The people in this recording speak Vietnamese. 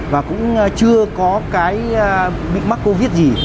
và cũng chưa có cái bị mắc covid gì